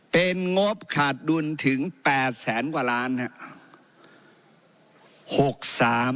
เป็นงบขาดดุลถึง๘แสนกว่าล้านครับ